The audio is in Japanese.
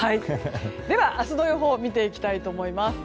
では、明日の予報を見ていきたいと思います。